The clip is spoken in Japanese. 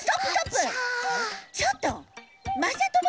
ちょっとまって！